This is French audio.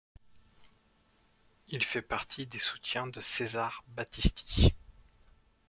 Il fait partie des soutiens de Cesare Battisti.